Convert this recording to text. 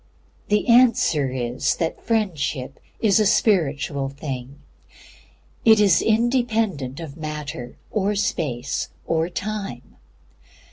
The answer is that FRIENDSHIP IS A SPIRITUAL THING. It is independent of Matter, or Space, or Time.